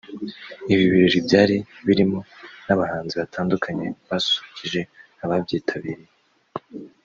Ibi birori byari birimo n’abahanzi batandukanye basusurukije ababyitabiriye